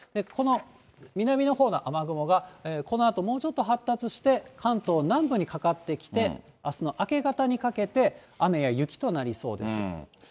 この南のほうの雨雲が、このあともうちょっと発達して、関東南部にかかってきて、あすの明け方にかけて、雨や雪となりそうです。